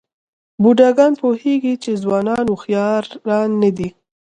بوډاګان پوهېږي چې ځوانان هوښیاران نه دي.